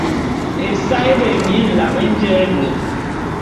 Esaé bemie nlame nje le.